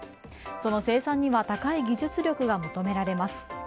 その生産には高い技術力が求められます。